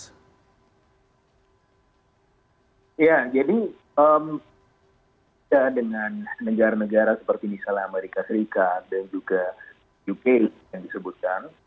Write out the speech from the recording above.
ya jadi dengan negara negara seperti misalnya amerika serikat dan juga uk yang disebutkan